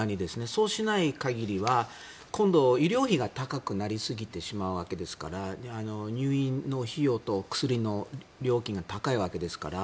そうしない限りは今度、医療費が高くなりすぎてしまうわけですから入院の費用と薬の料金が高いわけですから。